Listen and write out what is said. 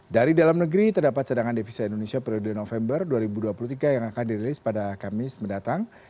dari dalam negeri terdapat cadangan devisa indonesia periode november dua ribu dua puluh tiga yang akan dirilis pada kamis mendatang